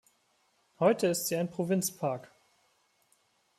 Heute ist sie ein Provinzpark.